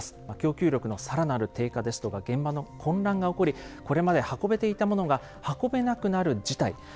供給力の更なる低下ですとか現場の混乱が起こりこれまで運べていたものが運べなくなる事態。